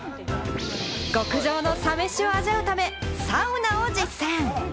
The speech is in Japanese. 極上のサ飯を味わうため、サウナを実践。